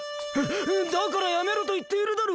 だからやめろといっているだろ！